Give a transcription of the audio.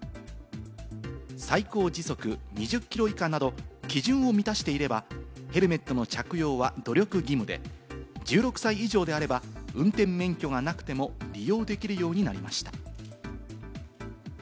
最高時速２０キロ以下など基準を満たしていれば、ヘルメットの着用は努力義務で、１６歳以上であれば運転免許がなくても利用できるようになりました。